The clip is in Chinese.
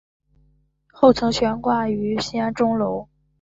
后曾悬挂于西安钟楼。